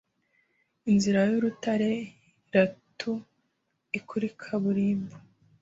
Inzira y'urutare iratu i kuri kaburimbo